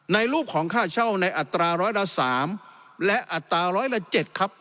ในรูปของค่าเช่าในอัตราร้อยละ๓และอัตราร้อยละ๗ครับ